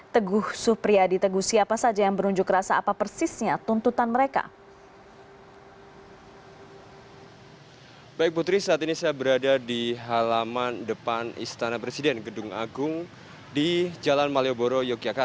teguh supriyadi teguh siapa saja yang berunjuk rasa apa persisnya tuntutan mereka